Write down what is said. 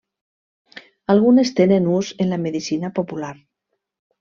Algunes tenen ús en la medicina popular.